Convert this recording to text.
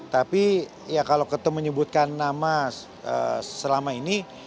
tapi ya kalau ketemu menyebutkan nama selama ini